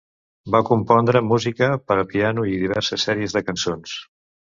Va compondre música per a piano i diverses sèries de cançons.